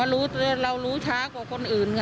เรารู้ช้ากว่าคนอื่นไง